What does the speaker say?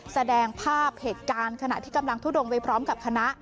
แสดงภาพเหตุการณ์ขณะที่กำลังทุดงไปพร้อมกับคณะ